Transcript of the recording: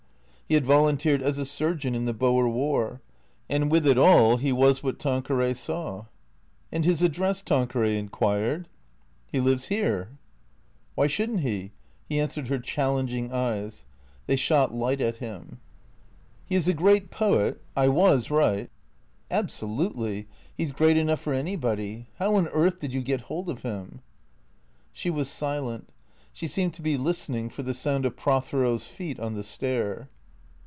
He had volunteered as a surgeon in the Boer War, And with it all he was what Tanqueray saw. " And his address ?" Tanqueray inquired. " He lives here." THE CREATORS 177 " Why should n't he ?" He answered her challenging eyes. They shot light at him. "He is a great poet? I was right?" " Absolutely, He 's great enough for anybody. How on earth did you get hold of him ?" She was silent. She seemed to be listening for the sound of Prothero's feet on the stair.